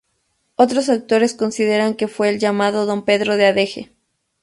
Otros autores consideran que fue el llamado don Pedro de Adeje.